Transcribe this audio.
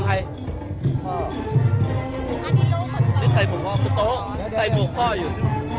นี่ใครบวกพ่อคือโต๊ะใครบวกพ่ออยู่